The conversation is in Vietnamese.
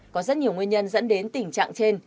có rất nhiều nguyên nhân dẫn đến tình trạng trên